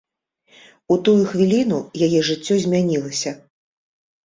У тую хвіліну яе жыццё змянілася.